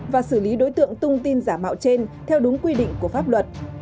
và xử lý đối tượng tung tin giả mạo trên theo đúng quy định của pháp luật